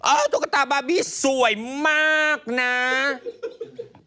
อ้าวตุ๊กตาบาร์บี้สวยมากน้า